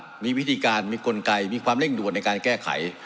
มีวิธีการมีกลไกมีความเร่งด่วนในการแก้ไข